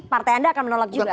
partai anda akan menolak juga